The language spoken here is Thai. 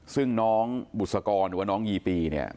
ซึ่งน้องบุษกรหรือว่าน้องยีปีเนี่ย